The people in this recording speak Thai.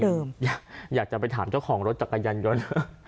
อยากจะไปถามเจ้าของรถจักรยานยนต์